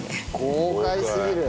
豪快すぎる。